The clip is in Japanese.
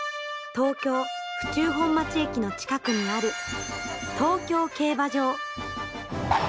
東京・府中本町駅の近くにある東京競馬場。